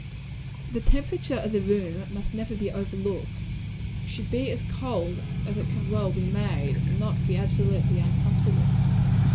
The temperature of the room must never be overlooked. It should be as cold as it can well be made, and not be absolutely uncomfortable.